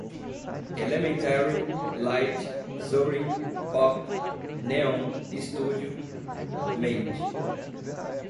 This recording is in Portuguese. elementary, lite, zorin, pop, neon, studio, mate